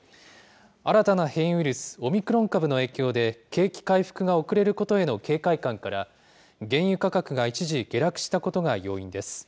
新たな変異ウイルス、オミクロン株の影響で、景気回復が遅れることへの警戒感から、原油価格が一時下落したことが要因です。